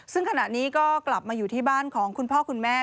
ซึ่งขณะนี้ก็กลับมาอยู่ที่บ้านของคุณพ่อคุณแม่